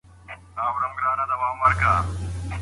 په لوړ ږغ نه ږغیږي.